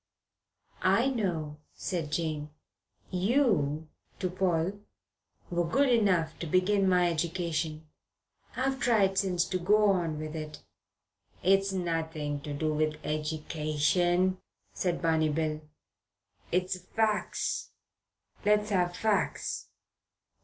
"I know," said Jane. "You" to Paul "were good enough to begin my education. I've tried since to go on with it." "It's nothing to do with edication," said Barney Bill. "It's fac's. Let's have fac's.